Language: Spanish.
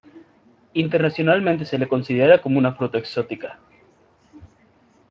Internacionalmente se le considera como una fruta exótica.